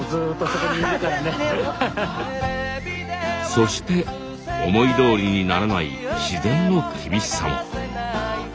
そして思いどおりにならない自然の厳しさも。